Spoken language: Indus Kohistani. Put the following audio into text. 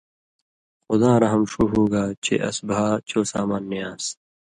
خُداں رحم ݜُو ہُوگا چے اس بھا چو سامان نی آن٘س